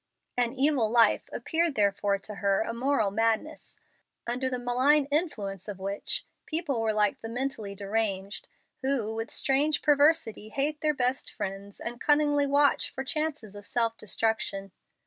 An evil life appeared therefore to her a moral madness, under the malign influence of which people were like the mentally deranged who with strange perversity hate their best friends and cunningly watch for chances of self destruction.